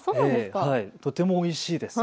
とてもおいしいです。